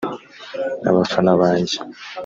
Abafana banjye